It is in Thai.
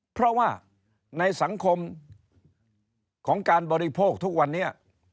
เพราะว่าในสังคมของการบริโภคทุกวันนี้